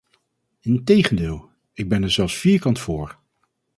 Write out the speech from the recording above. Integendeel, ik ben daar zelfs vierkant voor.